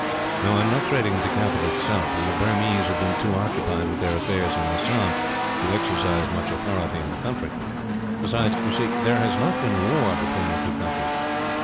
"I am not trading with the capital itself, and the Burmese have been too occupied with their affairs in Assam to exercise much authority in the country. Besides, you see, there has not been war between the two countries.